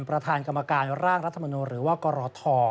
ประธานกรรมการร่างรัฐมนูลหรือว่ากรท